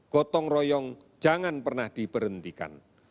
gotong royong jangan pernah diberhentikan